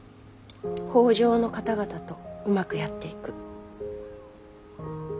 北条の方々とうまくやっていく。